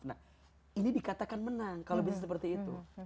nah ini dikatakan menang kalau bisa seperti itu